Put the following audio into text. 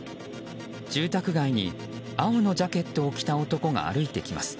住宅街に青のジャケットを着た男が歩いてきます。